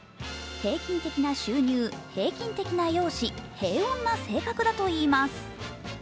平均的な収入、平均的な容姿、平穏な性格だといいます。